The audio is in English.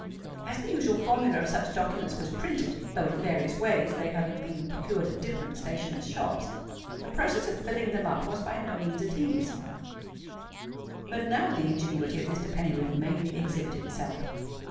As the usual formula of such documents was printed (though in various ways, they having been procured at different stationers' shops) the process of filling them up was by no means a tedious one. But now the ingenuity of Mr. Pennywhiffe mainly exhibited itself.